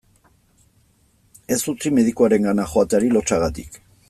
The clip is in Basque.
Ez utzi medikuarengana joateari lotsagatik.